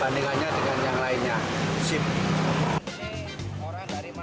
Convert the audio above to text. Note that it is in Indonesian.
bandingannya dengan yang lainnya tidak ada yang lebih manis dan legitnya ini